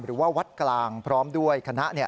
หรือว่าวัดกลางพร้อมด้วยคณะ